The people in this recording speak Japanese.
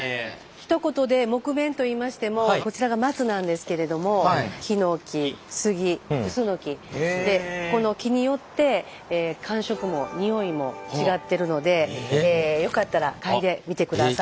ひと言で木毛といいましてもこちらが松なんですけれどもヒノキ杉クスノキこの木によって感触も匂いも違ってるのでよかったら嗅いでみてください。